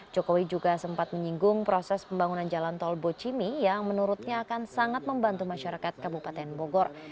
jokowi juga sempat menyinggung proses pembangunan jalan tol bocimi yang menurutnya akan sangat membantu masyarakat kabupaten bogor